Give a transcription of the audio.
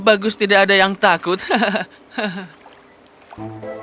bagus tidak ada yang takut hahaha